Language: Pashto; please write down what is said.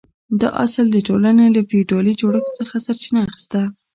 دا اصل د ټولنې له فیوډالي جوړښت څخه سرچینه اخیسته.